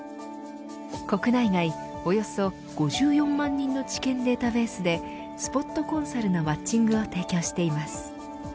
国内外およそ５４万人の知見データベースでスポットコンサルのマッチングを提供しています。